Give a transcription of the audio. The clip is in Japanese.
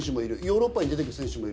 ヨーロッパに出てく選手もいる。